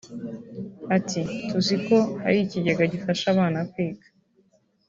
Ati “Tuzi ko hari ikigega gifasha abana kwiga